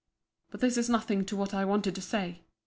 But this is nothing to what I wanted to say.